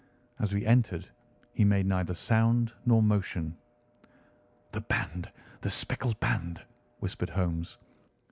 As we entered he made neither sound nor motion. "The band! the speckled band!" whispered Holmes.